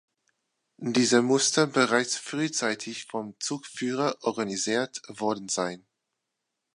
Dieser musste bereits frühzeitig vom Zugführer organisiert worden sein.